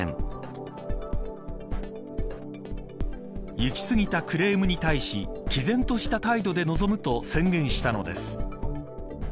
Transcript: いき過ぎたクレームに対しきぜんとした態度で臨むと宣言したのです。